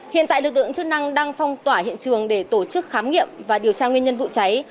hiện tại lực lượng chức năng đang phong tỏa hiện trường để tổ chức khám nghiệm và điều tra nguyên nhân vụ cháy